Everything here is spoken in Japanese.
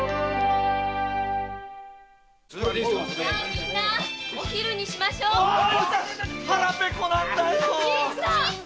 みんなお昼にしましょ。腹ペコなんだよ。